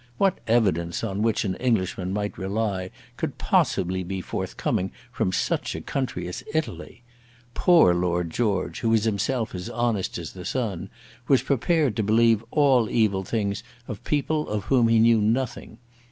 What evidence on which an Englishman might rely could possibly be forthcoming from such a country as Italy! Poor Lord George, who was himself as honest as the sun, was prepared to believe all evil things of people of whom he knew nothing!